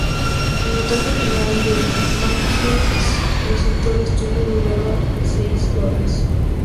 El montaje final que Mankiewicz presentó al estudio duraba seis horas.